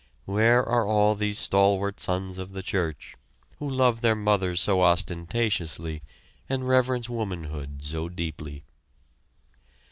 Where are all these stalwart sons of the church who love their mothers so ostentatiously and reverence womanhood so deeply?